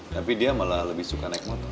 tapi dia malah lebih suka naik motor